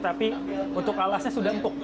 tapi untuk alasnya sudah empuk